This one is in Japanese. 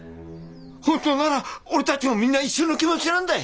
本当なら俺たちもみんな一緒の気持ちなんだ！